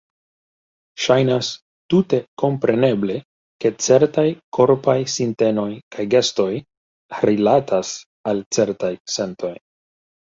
Ŝajnas tute kompreneble, ke certaj korpaj sintenoj kaj gestoj "rilatas" al certaj sentoj.